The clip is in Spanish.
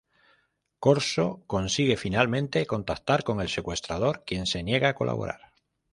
Corso consigue finalmente contactar con el secuestrador, quien se niega a colaborar.